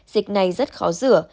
dịch này rất khó rửa